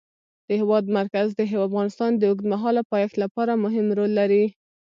د هېواد مرکز د افغانستان د اوږدمهاله پایښت لپاره مهم رول لري.